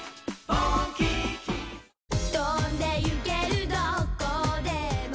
「飛んでゆける何処でも」